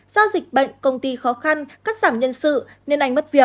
do dịch bệnh công ty khó khăn cắt giảm nhân sự nên anh mất việc